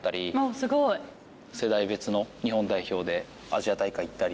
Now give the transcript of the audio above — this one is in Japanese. すごい！世代別の日本代表でアジア大会行ったり。